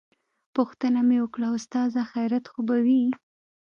پوښتنه مې وکړه استاده خيريت خو به وي.